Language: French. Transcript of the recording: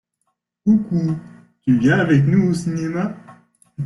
Coucou, tu viens avec nous au cinéma?